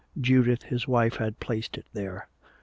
Judith his wife had placed it there.